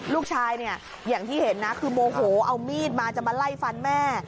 ลูกชายเนี่ยอย่างที่เห็นนะคือโมโหเอามีดมาจะมาไล่ฟันแม่